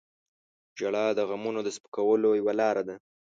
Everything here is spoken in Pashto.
• ژړا د غمونو د سپکولو یوه لاره ده.